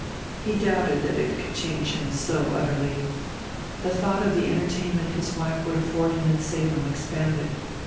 He doubted that it could change him so utterly. The thought of the entertainment his wife would afford him in Salem expanded.